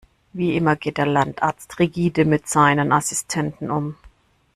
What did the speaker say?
Wie immer geht der Landarzt rigide mit seinen Assistenten um.